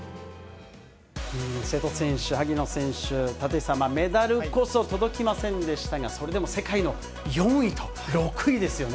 瀬戸選手、萩野選手、立石さん、メダルこそ届きませんでしたが、それでも世界の４位と６位ですよね。